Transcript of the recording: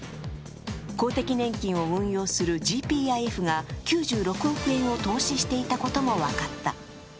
公的年金を運用するＧＰＩＦが９６億円を投資していたことも分かった。